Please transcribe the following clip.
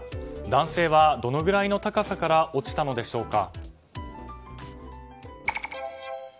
男性はどのぐらいの高さから落ちたのでしょうか。